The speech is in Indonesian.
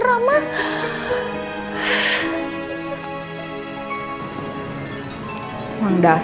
prekara yang paling juga merah